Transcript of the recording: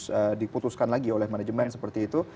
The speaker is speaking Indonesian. mungkin masih harus diputuskan lagi oleh manajemen seperti itu